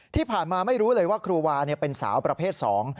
ไม่รู้เลยว่าครูวาเป็นสาวประเภทสอง